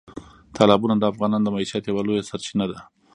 تالابونه د افغانانو د معیشت یوه لویه سرچینه ده.